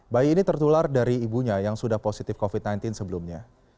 bayi ini tertular dari ibunya yang sudah positif covid sembilan belas sebelumnya